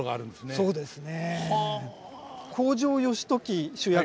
そうですね。